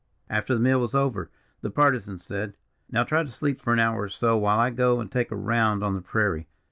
After the meal was over, the Partisan said: "Now try to sleep for an hour or so, while I go and take a round on the prairie.